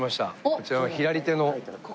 こちらの左手の。